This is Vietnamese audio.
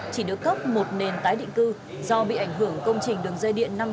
chỉ được cấp một nền tái định cư do bị ảnh hưởng công trình đường dây điện